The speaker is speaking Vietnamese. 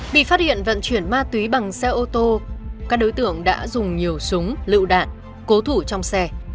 bị phát hiện vận chuyển ma túy bằng xe ô tô các đối tượng đã dùng nhiều súng lựu đạn cố thủ trong xe